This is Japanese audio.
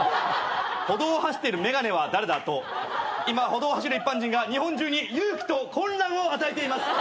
「歩道を走ってる眼鏡は誰だ？」と今歩道を走る一般人が日本中に勇気と混乱を与えています！